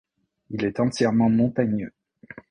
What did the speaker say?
Il est entièrement montagneux.